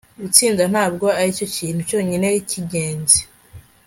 gutsinda ntabwo aricyo kintu cyonyine cyingenzi